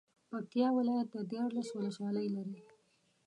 پکتيا ولايت ديارلس ولسوالۍ لري.